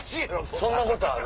そんなことある？